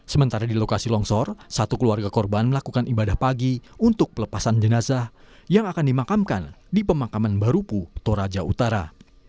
sementara di lokasi longsor satu keluarga korban melakukan ibadah pagi untuk pelepasan jenazah yang akan dimakamkan di pemakaman barupu toraja utara